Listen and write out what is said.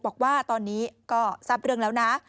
บอกว่าตอนนี้ก็ทราบเรื่องแล้วนะ